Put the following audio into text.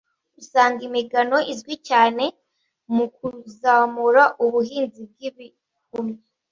usanga imigano izwi cyane mu kuzamura ubuhinzi bw’ibihumyo